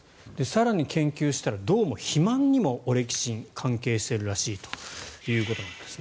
更に研究したら、どうも肥満にもオレキシンは関係しているらしいということです。